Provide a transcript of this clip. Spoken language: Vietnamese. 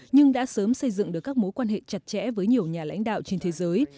nhưng đã sớm xây dựng được các mối quan hệ chặt chẽ với nhiều nhà lãnh đạo trên thế giới